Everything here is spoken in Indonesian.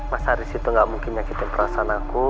mas haris itu gak mungkin nyakitin perasaan aku